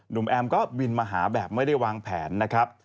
แอมก็บินมาหาแบบไม่ได้วางแผนนะครับ